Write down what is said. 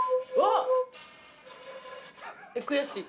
悔しい。